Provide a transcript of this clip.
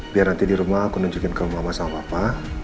biar nanti di rumah aku nunjukin kamu mama sama papa